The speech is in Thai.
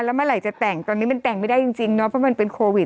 แล้วอะไรจะแต่งแต่ก่อนนี้ก็ไม่ได้จริงเนอะ